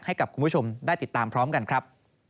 ให้กับคุณผู้ชมได้ติดตามพร้อมกันครับ